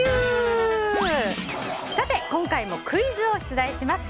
今回もクイズを出題します。